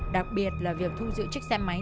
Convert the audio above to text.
đặc biệt là việc thu giữ chiếc xe máy